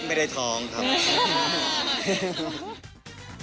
ไม่ได้ท้องครับ